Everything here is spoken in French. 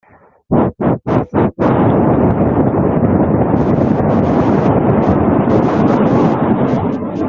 Bochart démissionne en janvier.